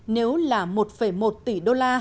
nếu là một một tỷ usd